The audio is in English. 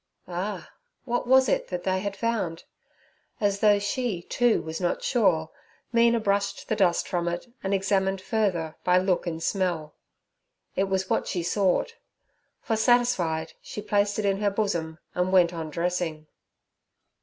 Ah! what was it, that they had found? As though she, too, was not sure, Mina brushed the dust from it, and examined further by look and smell. It was what she sought; for, satisfied, she placed it in her bosom and went on dressing.